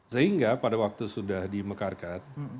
sehingga pada waktu sudah dimekarkan